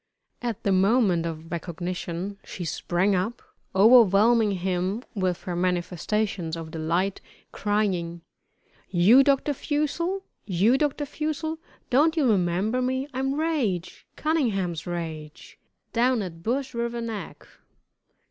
At the moment of recognition she sprang up, overwhelming him with her manifestations of delight, crying: "You Dr. Fussell? You Dr. Fussell? Don't you remember me? I'm Rache Cunningham's Rache, down at Bush River Neck."